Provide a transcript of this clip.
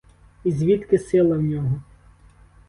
І звідки сила в нього?